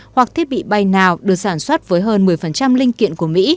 hoặc thiết bị bay nào được sản xuất với hơn một mươi linh kiện của mỹ